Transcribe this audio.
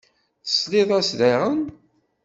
Tesliḍ-as daɣen?